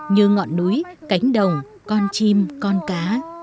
như ngọn núi cánh đồng con chim con cá